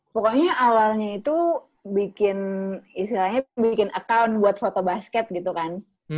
pokoknya awalnya itu bikin istilahnya bikin account buat fotobasket gitu kan